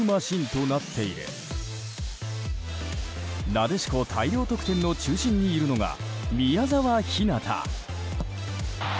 なでしこ大量得点の中心にいるのが宮澤ひなた。